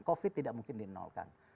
covid tidak mungkin dinolkan